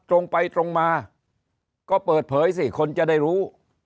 ตรงไปตรงมาก็เปิดเผยสิคนจะได้รู้